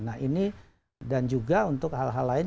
nah ini dan juga untuk hal hal lain